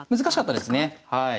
難しかったですね。